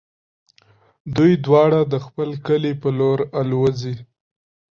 دوی دواړه د خپل کلي په لور الوزي.